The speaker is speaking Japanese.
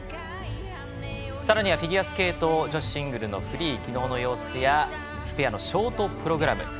さらにはフィギュアスケート女子シングルのフリー昨日の様子やペアのショートプログラム。